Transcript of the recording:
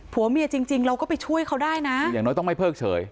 ผัวเมียจริงจริงเราก็ไปช่วยเขาได้นะคืออย่างน้อยต้องไม่เพิกเฉย